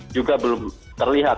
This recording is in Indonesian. juga belum terlihat